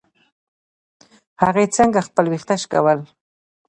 هغې څنګه خپل ويښته شکول.